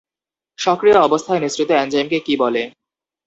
সক্রিয় অবস্থায় নিঃসৃত এনজাইমকে কী বলে?